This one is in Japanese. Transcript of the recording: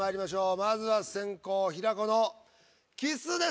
まずは先攻平子のキスです。